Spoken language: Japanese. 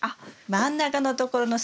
真ん中のところの筋。